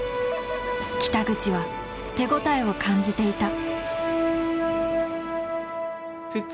北口は手応えを感じていた。